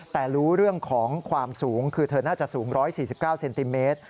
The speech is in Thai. แต่รู้เรื่องของความสูงคือเธอน่าจะสูง๑๔๙เซนติเมตร